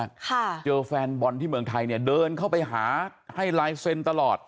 ค่ะเจอแฟนบอลที่เมืองไทยเนี่ยเดินเข้าไปหาให้ลายเซ็นต์ตลอด